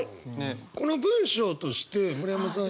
この文章として村山さん